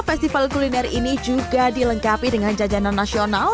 festival kuliner ini juga dilengkapi dengan jajanan nasional